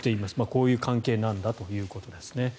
こういう関係なんだということですね。